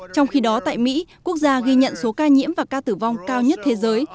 trong khi đó tại mỹ quốc gia ghi nhận số ca nhiễm và ca tử vong cao nhất thế giới